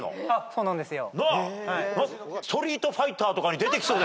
そうなんですよ。